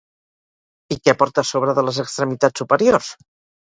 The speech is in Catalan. I què porta a sobre de les extremitats superiors?